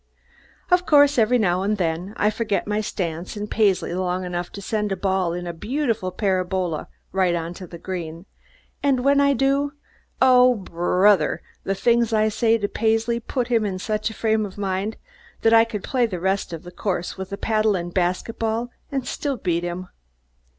Of course, every now and then, I forget my stance and Paisley long enough to send the ball in a beautiful parabola right on to the green, and when I do oh, brother! the things I say to Paisley put him in such a frame of mind that I could play the rest of the course with a paddle and a basket ball and still beat him.